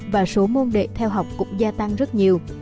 và số môn đệ theo học cũng gia tăng rất nhiều